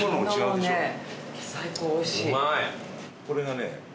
これがね